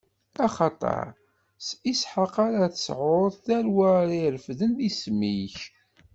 Axaṭer, s Isḥaq ara tesɛuḍ tarwa ara irefden isem-ik.